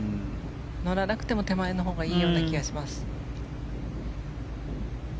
乗らなくても手前のほうがいいような気がします。